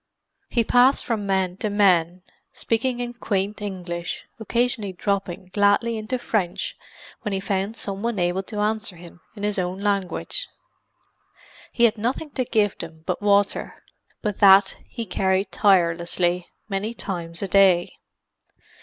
He passed from man to man, speaking in quaint English, occasionally dropping gladly into French when he found some one able to answer him in his own language. He had nothing to give them but water; but that he carried tirelessly many times a day.